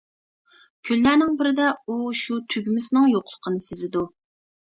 كۈنلەرنىڭ بىرىدە ئۇ شۇ تۈگمىسىنىڭ يوقلۇقىنى سېزىدۇ.